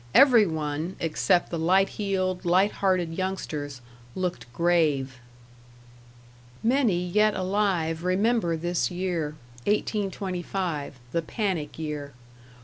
Every one, except the light heeled, light hearted youngsters, looked grave. Many yet alive remember this year 1825 the panic year.